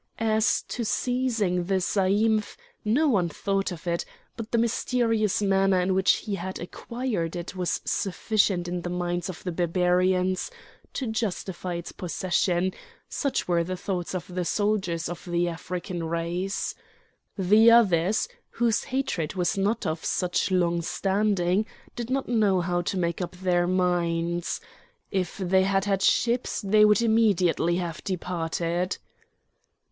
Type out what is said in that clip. As to seizing the zaïmph, no one thought of it, for the mysterious manner in which he had acquired it was sufficient in the minds of the Barbarians to justify its possession; such were the thoughts of the soldiers of the African race. The others, whose hatred was not of such long standing, did not know how to make up their minds. If they had had ships they would immediately have departed.